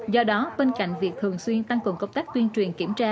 do đó bên cạnh việc thường xuyên tăng cường công tác tuyên truyền kiểm tra